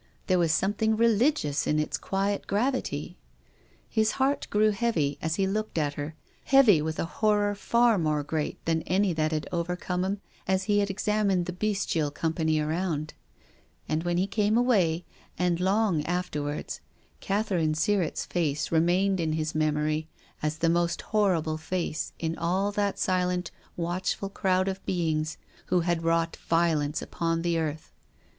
There was something re ligious in its quiet gravity. His heart grew heavy as he looked at her, heavy with a horror far more great than any that had overcome him as he examined the bestial company around. And when he came away, and long afterwards, Catherine Sirrett's face remained in his memory as the most horrible face in all that silent, watch ful crowd of beings who had wrought violence upon the earth.